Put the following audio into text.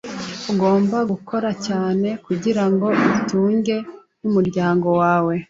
Agomba gukora cyane. kugirango atunge umuryango we .